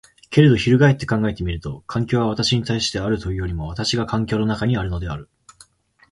けれど翻って考えてみると、環境は私に対してあるというよりも私が環境の中にあるのである。